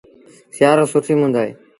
سيٚآرو سُٺيٚ مند اهي